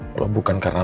kalau bukan karena